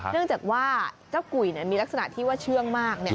เนื่องจากว่าเจ้ากุยมีลักษณะที่ว่าเชื่องมาก